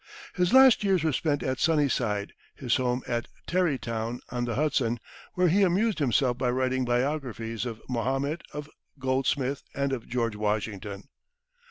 His last years were spent at "Sunnyside," his home at Tarrytown, on the Hudson, where he amused himself by writing biographies of Mahomet, of Goldsmith, and of George Washington.